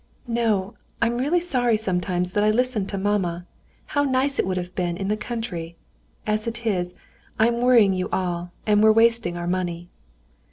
"No, I'm really sorry sometimes that I listened to mamma. How nice it would have been in the country! As it is, I'm worrying you all, and we're wasting our money."